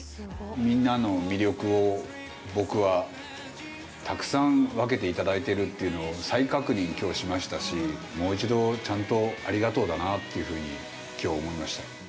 みんなの魅力を、僕はたくさん分けていただいてるっていうのを再確認、きょうしましたし、もう一度ちゃんとありがとうだなっていうふうにきょう思いました。